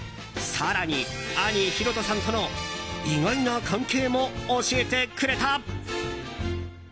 更に、兄ヒロトさんとの意外な関係も教えてくれた。